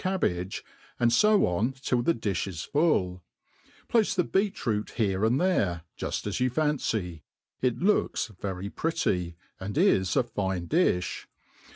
cabbage^ and io on till the difli is full ; place the beet rpot here and there, juft as you fancy ; it loolfLS very pretty, and is a fine difh.